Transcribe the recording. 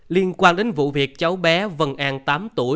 liên quan đến vụ việc cháu bé vân an tám tuổi